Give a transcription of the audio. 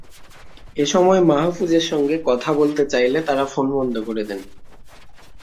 এ সময় মাহফুজের সঙ্গে কথা বলতে চাইলে তাঁরা ফোন বন্ধ করে দেন।